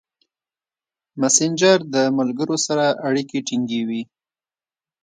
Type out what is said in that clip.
مسېنجر د ملګرو سره اړیکې ټینګوي.